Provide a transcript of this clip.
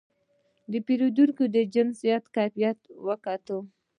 پیرودونکی د جنس کیفیت وکت.